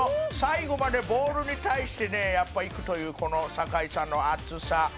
「最後までボールに対してね行くというこの酒井さんの熱さ」